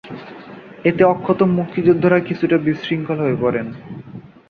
এতে অক্ষত মুক্তিযোদ্ধারা কিছুটা বিশৃঙ্খল হয়ে পড়েন।